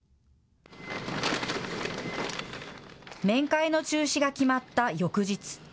面会の中止が決まった翌日。